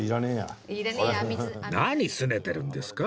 何すねてるんですか？